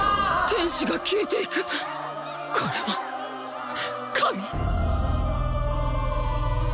天使が消えていくこれは神！？